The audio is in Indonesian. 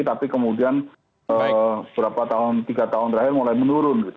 tapi kemudian beberapa tiga tahun terakhir mulai menurun